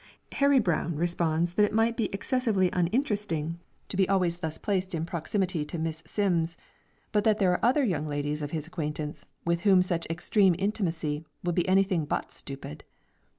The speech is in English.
Harry Brown responds that it might be excessively uninteresting to be always thus placed in proximity to Miss Simms, but that there are other young ladies of his acquaintance, with whom such extreme intimacy would be any thing but stupid.